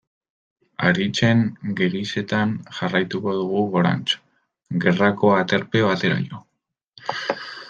Haritzen gerizetan jarraituko dugu gorantz, gerrako aterpe bateraino.